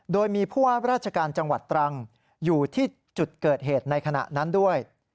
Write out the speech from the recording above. โดยมีผู้ว่าราชการจังหวัดตรังอยู่ที่จุดเกิดเหตุในขณะนั้นด้วย